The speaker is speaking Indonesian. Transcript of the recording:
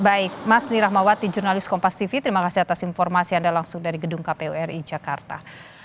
baik mas nirahmawati jurnalis kompas tv terima kasih atas informasi anda langsung dari gedung kpu ri jakarta